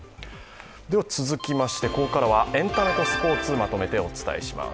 続きましてここからはエンタメとスポーツまとめてお伝えします。